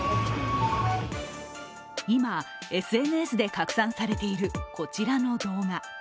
今、ＳＮＳで拡散されているこちらの動画。